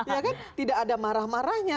ya kan tidak ada marah marahnya